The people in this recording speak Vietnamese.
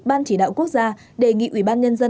ban chỉ đạo quốc gia đề nghị ubnd